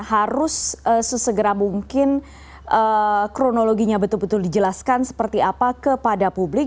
harus sesegera mungkin kronologinya betul betul dijelaskan seperti apa kepada publik